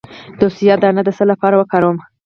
د سویا دانه د څه لپاره وکاروم؟